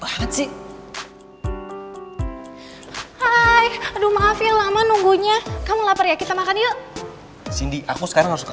hai aduh maaf yang lama nunggunya kamu lapar ya kita makan yuk cindy aku sekarang harus ke